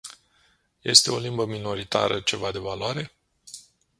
Este o limbă minoritară ceva de valoare?